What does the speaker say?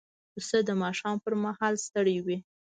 پسه د ماښام پر مهال ستړی وي.